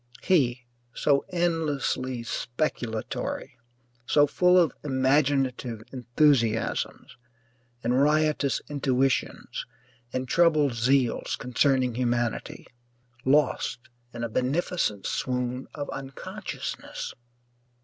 He, so endlessly speculatory, so full of imaginative enthusiasms and riotous intuitions and troubled zeals concerning humanity, lost in a beneficent swoon of unconsciousness!